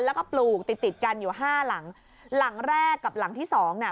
แล้วก็ปลูกติดติดกันอยู่ห้าหลังหลังแรกกับหลังที่สองน่ะ